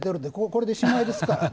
これで、しまいですから。